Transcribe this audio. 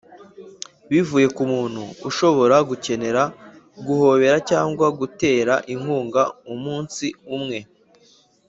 bivuye kumuntu ushobora gukenera guhobera cyangwa gutera inkunga umunsi umwe.